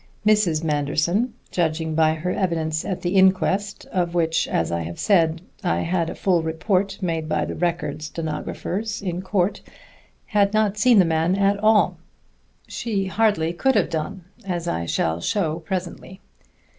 _ Mrs. Manderson (judging by her evidence at the inquest, of which, as I have said, I had a full report made by the Record stenographers in court) had not seen the man at all. She hardly could have done, as I shall show presently.